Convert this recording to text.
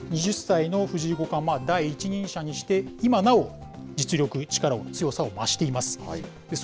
２０歳の藤井五冠、第一人者にして、今なお、実力、力、強さを増しています。